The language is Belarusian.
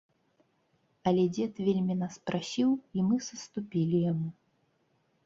Але дзед вельмі нас прасіў, і мы саступілі яму.